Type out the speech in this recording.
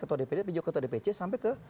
ketua dpd tapi juga ketua dpc sampai ke